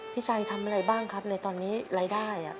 พี่ชัยทำอะไรบ้างครับในตอนนี้รายได้